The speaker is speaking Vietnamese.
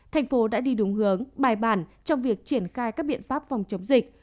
thành phố đã đi đúng hướng bài bản trong việc triển khai các biện pháp phòng chống dịch